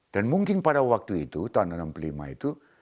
dan mungkin pada waktu itu tahun seribu sembilan ratus enam puluh lima itu